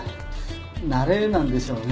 慣れなんでしょうね。